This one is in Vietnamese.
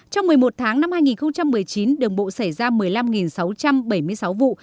trong một mươi một tháng năm hai nghìn một mươi chín đường bộ xảy ra một mươi năm sáu trăm bảy mươi sáu vụ